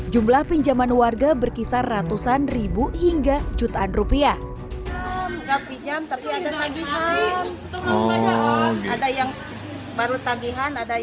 jumlah pinjaman warga berkisar ratusan ribu hingga jutaan rupiah